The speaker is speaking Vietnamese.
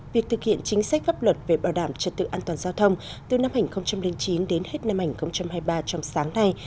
việc thực hiện chính sách pháp luật về bảo đảm trật tự an toàn giao thông từ năm hai nghìn chín đến hết năm hai nghìn hai mươi ba trong sáng nay